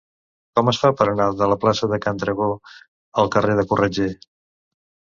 Com es fa per anar de la plaça de Can Dragó al carrer de Corretger?